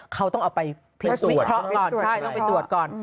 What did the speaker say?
เขาต้องเอาไปวิเคราะห์ก่อนใช่ต้องไปตรวจก่อน